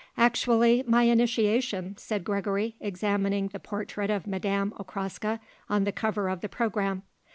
"Actually my initiation," said Gregory, examining the portrait of Madame Okraska on the cover of the programme.